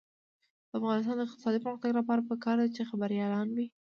د افغانستان د اقتصادي پرمختګ لپاره پکار ده چې خبریالان وي.